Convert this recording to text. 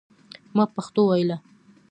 ما پښتو ویله.